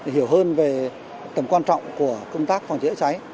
hiểu hơn về tầm quan trọng của công tác phòng cháy cháy